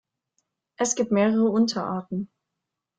Es gibt mehrere Unterarten.